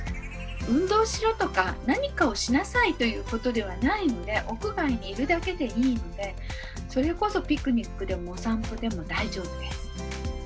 「運動しろ」とか「何かをしなさい」ということではないので屋外にいるだけでいいのでそれこそピクニックでもお散歩でも大丈夫です。